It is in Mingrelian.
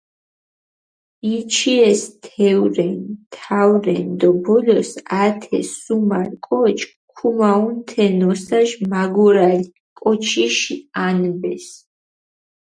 იჩის თეურენი, თაურენი დო ბოლოს ათე სუმარ კოჩქ ქუმაჸუნ თე ნოსაში მაგორალი კოჩიში ანბეს.